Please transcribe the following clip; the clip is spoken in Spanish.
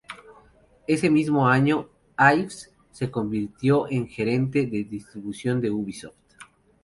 Ese mismo año, Yves se convirtió en Gerente de Distribución de Ubisoft.